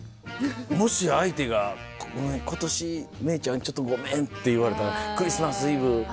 もし相手がごめん、ことし、芽郁ちゃん、ちょっとごめんって言われたら、クリスマス・イブ。